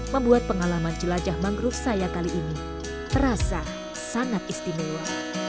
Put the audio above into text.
membuat pengalaman jelajah mangrove saya kali ini terasa sangat istimewa